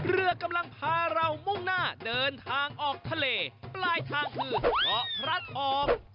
เรือกำลังพาเรามุ่งหน้าเดินทางออกทะเลปลายทางคือเกาะพระทอง